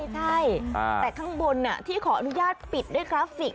ใช่แต่ข้างบนที่ขออนุญาตปิดด้วยกราฟิก